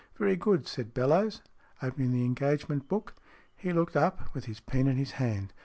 " Very good," said Bellowes, opening the engage ment book. He looked up, with his pen in his hand.